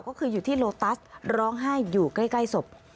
ก็คืออยู่ที่โลตัสร้องไห้อยู่ใกล้ศพ